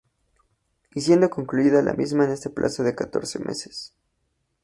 Y siendo concluida la misma en el plazo de catorce meses.